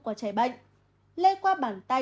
của trẻ bệnh lây qua bàn tay